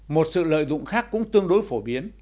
một sự lợi dụng khác cũng tương đối phổ biến